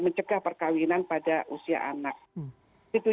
mencegah perkawinan pada usia anak itu